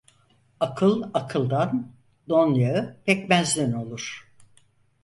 Akıl akıldan, don yağı pekmezden olur.